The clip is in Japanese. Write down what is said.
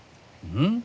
ん？